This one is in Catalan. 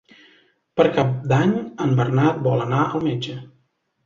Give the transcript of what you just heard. Per Cap d'Any en Bernat vol anar al metge.